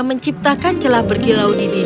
menciptakan celah berkilau di dinding